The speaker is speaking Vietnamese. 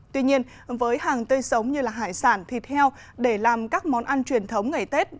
tuy nhiên với hàng tươi sống như hải sản thịt heo để làm các món ăn truyền thống ngày tết